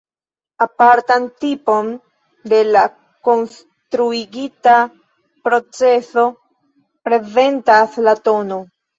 Apartan tipon de la konstruigita proceso prezentas la tn.